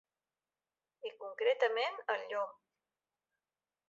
I concretament al llom.